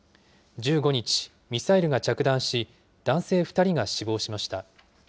１５日、ミサイルが着弾し、男性２人が死亡しました。